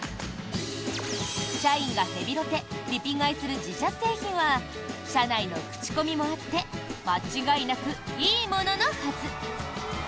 社員がヘビロテ・リピ買いする自社製品は社内の口コミもあって間違いなく、いいもののはず！